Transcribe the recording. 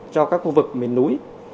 cho các khu vực mềm núi